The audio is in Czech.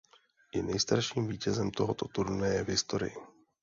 Je nejstarším vítězem tohoto turnaje v historii.